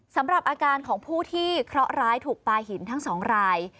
สำหรับอาการของผู้ที่เคราะหร้ายถูกปลาหินทั้ง๒ราย